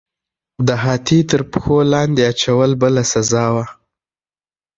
د هاتي تر پښو لاندې اچول بله سزا وه.